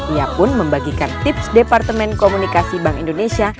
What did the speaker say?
ia pun membagikan tips departemen komunikasi bank indonesia